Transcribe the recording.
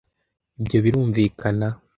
Ibyo birumvikana?